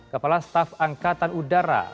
kepala staf angkatan udara